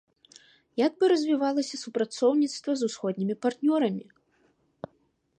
Як бы развівалася супрацоўніцтва з усходнімі партнёрамі?